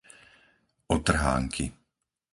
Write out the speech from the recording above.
Otrhánky